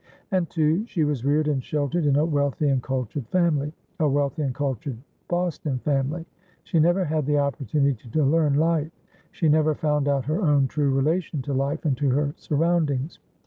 And, too, she was reared and sheltered in a wealthy and cultured family, a wealthy and cultured Boston family; she never had the opportunity to learn life; she never found out her own true relation to life and to her surroundings.